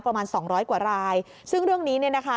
ประมาณ๒๐๐กว่ารายซึ่งเรื่องนี้นะคะ